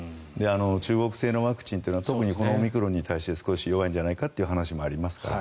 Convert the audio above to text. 中国製のワクチンは特にこのオミクロンに対して少し弱いんじゃないかという話がありますから。